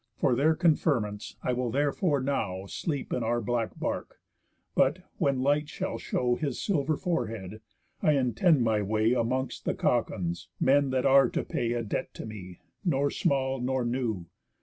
For their confirmance, I will therefore now Sleep in our black bark. But, when light shall show Her silver forehead, I intend my way Amongst the Caucons, men that are to pay A debt to me, nor small, nor new.